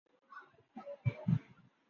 لیکن ہماری مخصوص نفسیات بن چکی ہے۔